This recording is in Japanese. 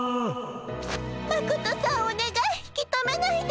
マコトさんおねがい引き止めないで。